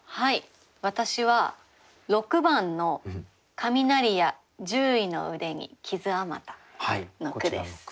私は６番の「雷や獣医の腕に傷あまた」の句です。